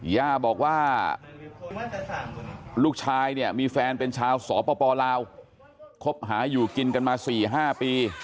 ย่าบอกว่าลูกชายเนี่ยมีแฟนเป็นชาวสปลาวคบหาอยู่กินกันมา๔๕ปี